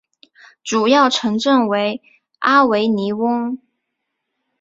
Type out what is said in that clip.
主要城镇为阿维尼翁。